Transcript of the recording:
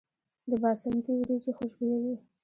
د باسمتي وریجې خوشبويه وي.